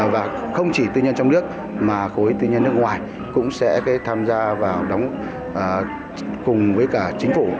và không chỉ tư nhân trong nước mà khối tư nhân nước ngoài cũng sẽ tham gia và đóng cùng với cả chính phủ